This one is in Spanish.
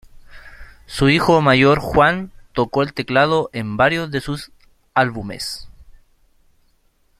Su hijo mayor, Juan, tocó el teclado en varios de sus álbumes.